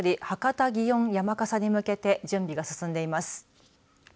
博多祇園山笠に向けて準備が進んでいます。